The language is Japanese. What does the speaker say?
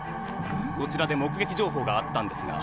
こちらで目撃情報があったんですが。